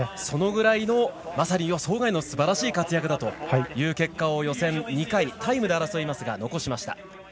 そのぐらいの予想外のすばらしい活躍を予選２回タイムで争いますが残しました。